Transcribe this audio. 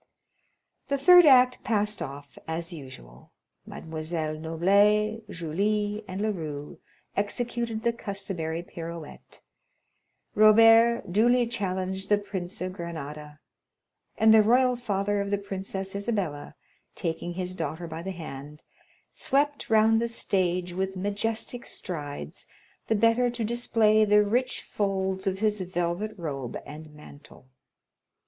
30099m The third act passed off as usual. Mesdemoiselles Noblet, Julia, and Leroux executed the customary pirouettes; Robert duly challenged the Prince of Granada; and the royal father of the princess Isabella, taking his daughter by the hand, swept round the stage with majestic strides, the better to display the rich folds of his velvet robe and mantle.